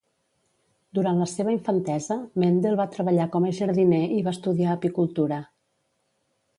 Durant la seva infantesa, Mendel va treballar com a jardiner i va estudiar apicultura.